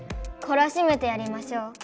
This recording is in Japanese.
こらしめてやりましょう。